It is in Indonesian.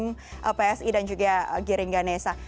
tim psi dan juga giring ganesa